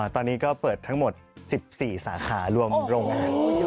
ตอนนี้ก็เปิดทั้งหมด๑๔สาขารวมโรงงาน